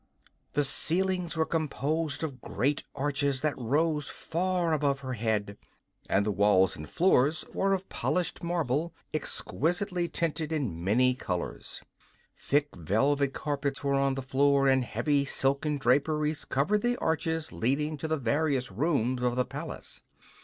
The ceilings were composed of great arches that rose far above her head, and all the walls and floors were of polished marble exquisitely tinted in many colors. Thick velvet carpets were on the floor and heavy silken draperies covered the arches leading to the various rooms of the palace.